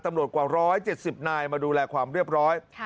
ตำรวจกว่าร้อยเจ็ดสิบนายมาดูแลความเรียบร้อย